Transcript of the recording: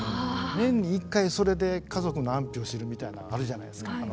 年に一回それで家族の安否を知るみたいなのあるじゃないですか。